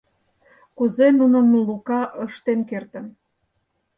— Кузе нуным Лука ыштен кертын?